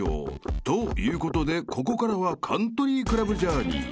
［ということでここからはカントリークラブジャーニー］